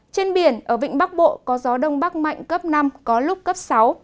trên biển ở vịnh bắc bộ có gió đông bắc mạnh cấp năm có lúc cấp sáu